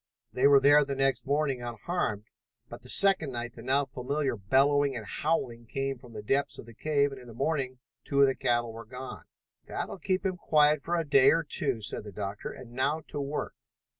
They were there the next morning unharmed, but the second night the now familiar bellowing and howling came from the depths of the cave and in the morning two of the cattle were gone. "That will keep him quiet for a day or two," said the doctor, "and now to work!"